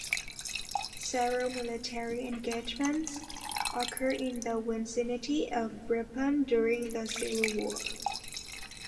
Several military engagements occurred in the vicinity of Rippon during the Civil War.